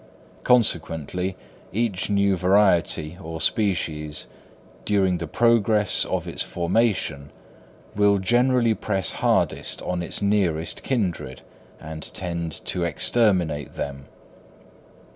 Consequently, each new variety or species, during the progress of its formation, will generally press hardest on its nearest kindred, and tend to exterminate them.